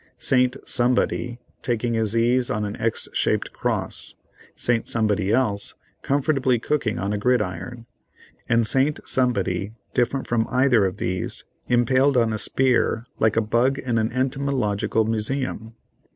St. Somebody taking his ease on an X shaped cross, St. Somebody Else comfortably cooking on a gridiron, and St. Somebody, different from either of these, impaled on a spear like a bug in an Entomological Museum.